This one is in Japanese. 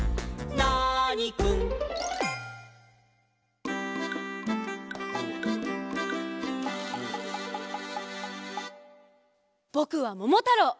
ナーニくん」ぼくはももたろう！